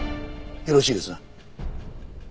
よろしいですな？